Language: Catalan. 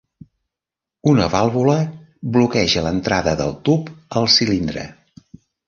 Una vàlvula bloqueja l'entrada del tub al cilindre.